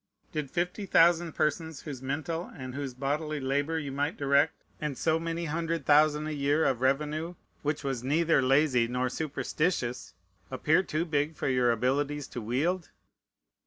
Did fifty thousand persons, whose mental and whose bodily labor you might direct, and so many hundred thousand a year of a revenue, which was neither lazy nor superstitious, appear too big for your abilities to wield?